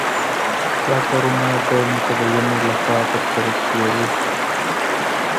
دا کارونه د متدینو له خوا ترسره کېږي.